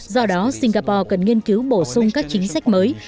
do đó singapore cần nghiên cứu bổ sung các chính sách mới